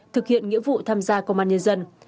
thực hiện nghĩa vụ tham gia công an nhân dân